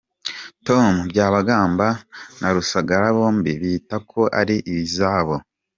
Tom Byabagamba na Rusagara bombi bita ko atari izabo.